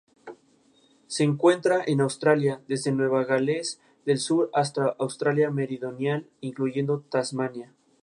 Se encuentra en Australia: desde Nueva Gales del Sur hasta Australia Meridional, incluyendo Tasmania.